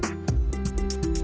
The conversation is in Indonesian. tante ini sudah beres